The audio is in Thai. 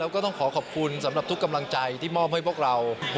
ก็ต้องขอขอบคุณสำหรับทุกกำลังใจที่มอบให้พวกเรา